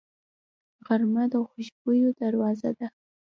غرمه د خوشبویو دروازه ده